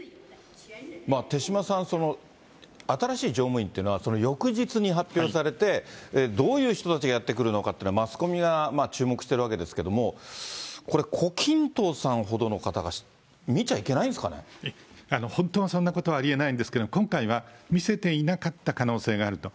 手嶋さん、新しい常務委員というのは、翌日に発表されて、どういう人たちがやってくるのかっていうのはマスコミは注目してるわけですけれども、これ、胡錦濤さんほどの方が見ちゃいけない本当はそんなことはありえないんですけれども、今回は見せていなかった可能性があると。